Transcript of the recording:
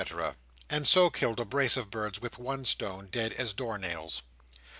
—and so killed a brace of birds with one stone, dead as door nails.